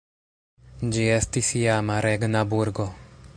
Ĝi estis iama regna burgo.